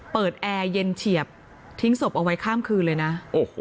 แอร์เย็นเฉียบทิ้งศพเอาไว้ข้ามคืนเลยนะโอ้โห